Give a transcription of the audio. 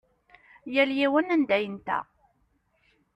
Yal yiwen anda yenta.